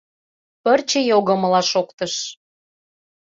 Пырче йогымыла шоктыш.